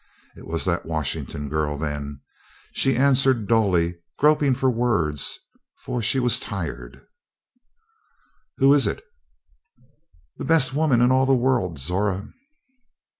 It was that Washington girl then. She answered dully, groping for words, for she was tired: "Who is it?" "The best woman in all the world, Zora."